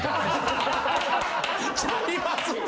ちゃいますって！